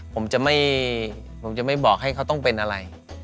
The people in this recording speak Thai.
ผมจะไม่ผมจะไม่บอกให้เขาต้องเป็นอะไร